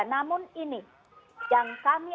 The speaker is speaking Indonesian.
namun ini yang kami